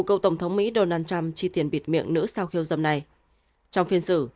cựu tổng thống mỹ donald trump chi tiền bịt miệng nữ sau khiêu dâm này trong phiên xử